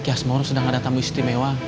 kias moro sedang ada tamu istri mewah